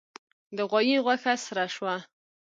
د غوايي غوښه سره شوه.